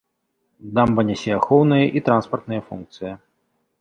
Дамба нясе ахоўныя і транспартныя функцыі.